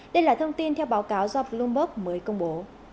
đây là thông tin theo báo cáo do bloomberg mới công bố